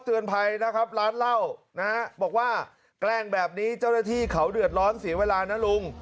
เตือนภัยนะครับร้านเหล้านะฮะบอกว่าแกล้งแบบนี้เจ้าหน้าที่เขาเดือดร้อนเสียเวลานะลุง